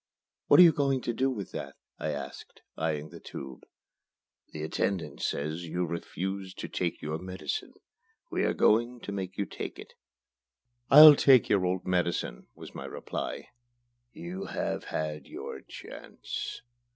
"What are you going to do with that?" I asked, eyeing the tube. "The attendant says you refuse to take your medicine. We are going to make you take it." "I'll take your old medicine," was my reply. "You have had your chance."